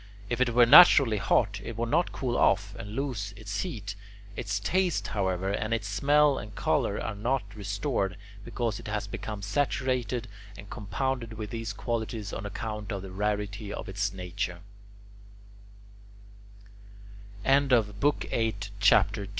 If it were naturally hot, it would not cool off and lose its heat. Its taste, however, and its smell and colour are not restored, because it has become saturated and compounded with these qualities on account of the r